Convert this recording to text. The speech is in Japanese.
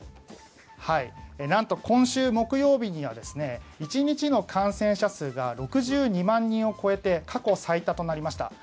なんと今週木曜日には１日の感染者数が６２万人を超えて過去最多となりました。